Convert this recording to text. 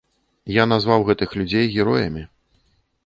Я назваў гэтых людзей героямі.